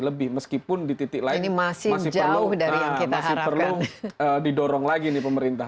lebih meskipun di titik lain masih perlu masih perlu didorong lagi nih pemerintah